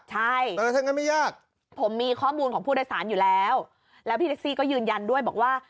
ใช่ผมมีข้อมูลของผู้โดยสารอยู่แล้วแล้วพี่แท็กซี่ก็ยืนยันด้วยบอกว่า